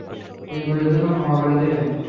এই ভুলের জন্য ক্ষমা করে দিবেন।